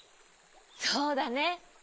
そうだね。